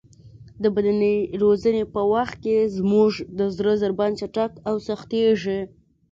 د بدني روزنې په وخت کې زموږ د زړه ضربان چټک او سختېږي.